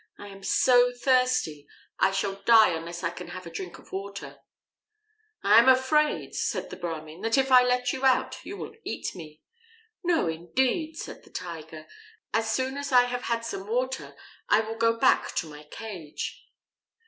I am so thirsty I shall die unless I can have a drink of water." "I am afraid," said the Brahmin, "that if I let you out you will eat me." "No, indeed," said the Tiger. "As soon as I have had some water, I will go back to my cage."